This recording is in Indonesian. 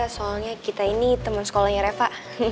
soalnya kita ini teman sekolahnya reva